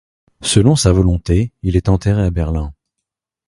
Selon sa volonté, il est enterré à Berlin.